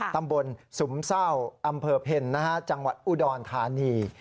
ตำบลสุมเศร้าอำเภอเพ็ญจังหวัดอุดรธานี